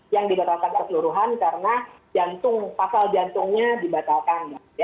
yang dibatalkan keseluruhan karena pasal jantungnya dibatalkan